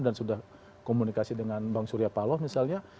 dan sudah komunikasi dengan bang surya paloh misalnya